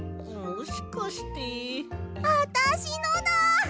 あたしのだ！